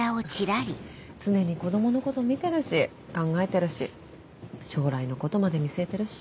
常に子供のこと見てるし考えてるし将来のことまで見据えてるし。